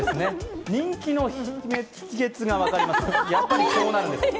人気の秘けつが分かります。